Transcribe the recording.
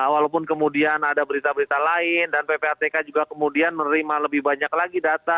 walaupun kemudian ada berita berita lain dan ppatk juga kemudian menerima lebih banyak lagi data